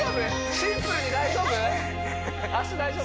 シンプルに大丈夫？